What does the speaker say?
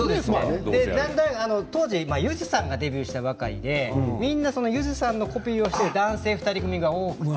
ゆずさんがデビューしたばかりでみんな、ゆずさんのコピーをして男性２人組が多くて。